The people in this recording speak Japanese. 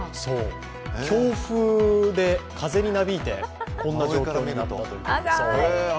強風で風になびいて、こんな状況になったということで。